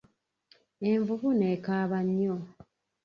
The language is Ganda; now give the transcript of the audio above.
Envubu nekaaba nnyo.